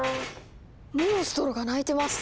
モンストロが鳴いてます！